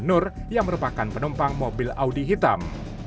nur yang merupakan penumpang mobil audi hitam